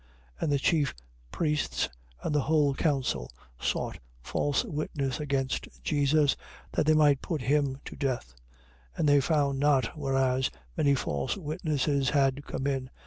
26:59. And the chief priests and the whole council sought false witness against Jesus, that they might put him to death. 26:60. And they found not, whereas many false witnesses had come in.